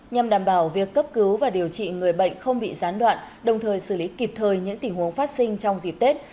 nhằm đảm bảo việc cấp cứu và điều trị người bệnh không bị gián đoạn đồng thời xử lý kịp thời những tình huống phát sinh trong dịp tết